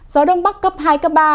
gió đông bắc cấp hai cấp ba